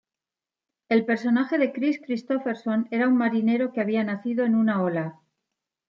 El personaje de Kris Kristofferson era un marinero que había nacido en una ola.